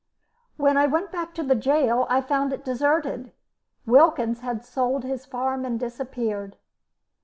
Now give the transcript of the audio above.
When I went back to gaol I found it deserted. Wilkins had sold his farm and disappeared.